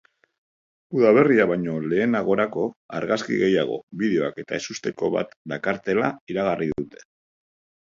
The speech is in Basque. Udaberria baino lehenagorako argazki gehiago, bideoak eta ezustekoren bat dakartela iragarri dute.